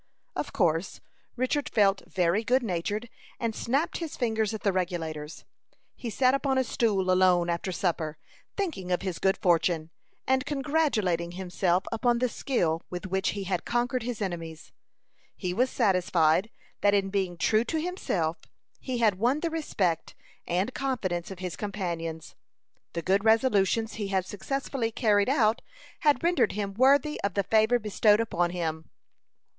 Of course, Richard felt very good natured, and snapped his fingers at the Regulators. He sat upon a stool alone after supper, thinking of his good fortune, and congratulating himself upon the skill with which he had conquered his enemies. He was satisfied that in being true to himself he had won the respect and confidence of his companions. The good resolutions he had successfully carried out had rendered him worthy of the favor bestowed upon him.